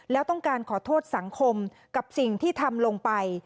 แล้วต้องการขอโทษสังคมกับสิ่งที่ทำลงไป